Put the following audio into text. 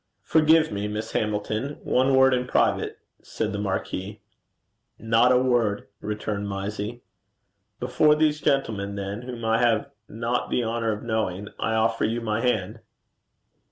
'Forgive me, Miss Hamilton. One word in private,' said the marquis. 'Not a word,' returned Mysie. 'Before these gentlemen, then, whom I have not the honour of knowing, I offer you my hand.'